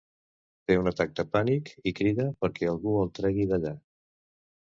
Té un atac de pànic i crida perquè algú el tregui d'allà.